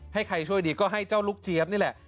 ให้ใครช่วยดีก็ให้เจ้าลูกเจี๊ยบนี่แหละ